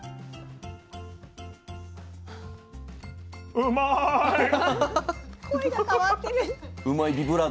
うまいッ！